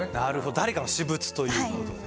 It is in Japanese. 誰かの私物という事で。